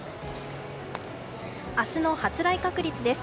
明日の発雷確率です。